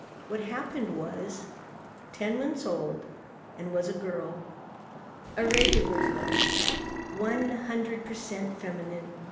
What happened was ten months old and was a girl. A regular girl, one hundred per cent feminine.